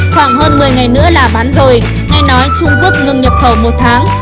khoảng hơn một mươi ngày nữa là bán rồi nghe nói trung quốc ngừng nhập khẩu một tháng